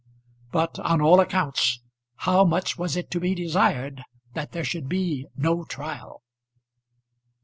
But on all accounts how much was it to be desired that there should be no trial!